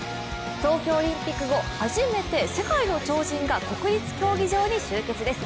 東京オリンピック後初めて世界の超人が、国立競技場に集結です。